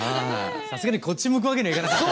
さすがにこっち向くわけにはいかなかった。